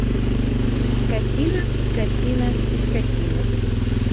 Скаціна, скаціна і скаціна!